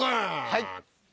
はい。